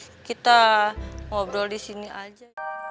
ya kita ngobrol di sini aja